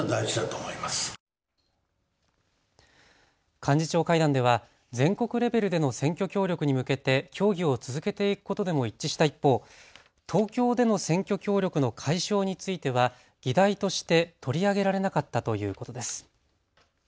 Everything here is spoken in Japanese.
幹事長会談では全国レベルでの選挙協力に向けて協議を続けていくことでも一致した一方、東京での選挙協力の解消については議題として取り上げられなかったということです。